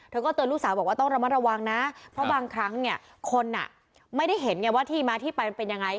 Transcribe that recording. เธอก็เตือนลูกสาวบอกว่าต้องระมัดระวังนะเพราะบางครั้งเนี่ยคนไม่ได้เห็นไงว่าที่มาที่ไปมันเป็นยังไง